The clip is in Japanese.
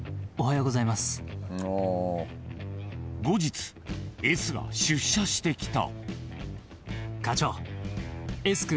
［後日Ｓが出社してきた］